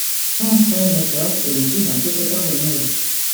Fons Rademakers est le fils d'un secrétaire de mairie.